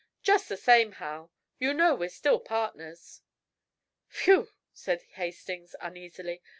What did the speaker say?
"Just the same, Hal, you know we're still partners." "Whew!" said Hastings, uneasily.